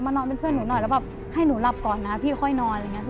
มานอนเป็นเพื่อนหนูหน่อยแล้วแบบให้หนูหลับก่อนนะพี่ค่อยนอน